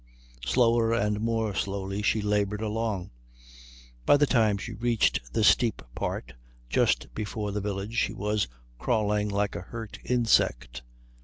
Slower and more slowly she laboured along. By the time she reached the steep part just before the village she was crawling like a hurt insect.